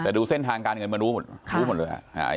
แต่ดูเส้นทางการเงินมารู้หมดรู้หมดเลย